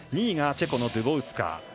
２位がチェコのドゥボウスカー。